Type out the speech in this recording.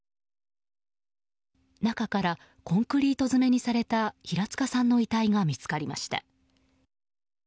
中からコンクリート詰めにされた平塚さんの遺体が見つかりました。